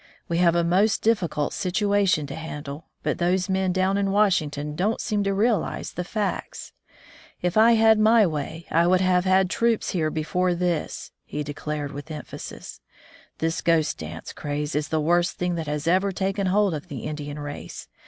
We have a most difficult situation to handle, but those men down in Washington don't seem to realize the facts. If I had my way, I would have had troops here before this, he declared with emphasis. This Ghost dance craze is the worst thing that has ever taken hold of the Indian race.